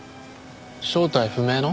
正体不明の？